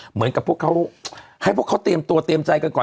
เหมือนกับพวกเขาให้พวกเขาเตรียมตัวเตรียมใจกันก่อน